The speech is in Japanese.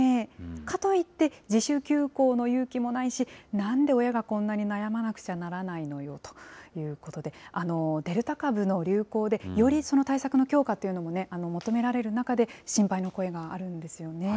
かといって、自主休校の勇気もないし、なんで親がこんなに悩まなくちゃならないのよということで、デルタ株の流行で、よりその対策の強化というのも求められる中で、心配の声があるんですよね。